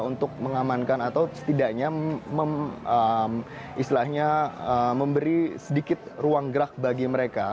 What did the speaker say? untuk mengamankan atau setidaknya memberi sedikit ruang gerak bagi mereka